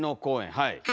はい。